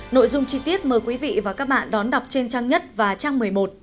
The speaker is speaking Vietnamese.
nội dung chi tiết mời quý vị và các bạn đón đọc trên trang nhất và trang một mươi một